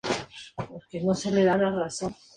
Clima marítimo con temperatura pareja durante todo el año.